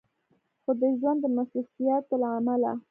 خو د ژوند د مصروفياتو له عمله